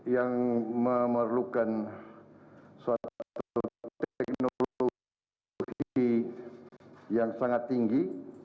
yang memerlukan suatu teknologi yang sangat tinggi